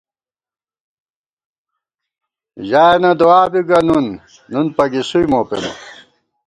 ژایَنہ دُعا بی گہ نُن ، نُن پگِسُوئی مو پېنہ